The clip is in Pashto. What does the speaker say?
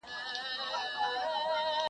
خو د دې قوم د یو ځای کولو -